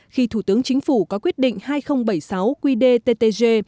khi thủ tướng chính phủ có quyết định hai nghìn bảy mươi sáu qdttg